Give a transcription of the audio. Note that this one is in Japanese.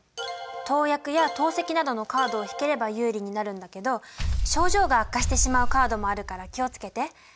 投薬や透析などのカードを引ければ有利になるんだけど症状が悪化してしまうカードもあるから気を付けて。